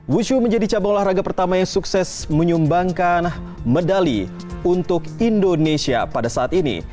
wushu menjadi cabang olahraga pertama yang sukses menyumbangkan medali untuk indonesia pada saat ini